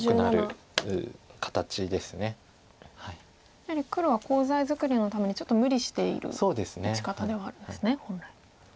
やはり黒はコウ材作りのためにちょっと無理している打ち方ではあるんですね本来。